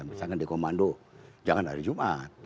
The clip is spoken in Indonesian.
misalkan di komando jangan hari jumat